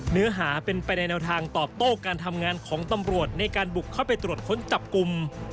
เนื้อหาเป็นไปในแนวทางตอบโต้การทำงานของตำรวจในการบุกเข้าไปตรวจค้นจับกลุ่ม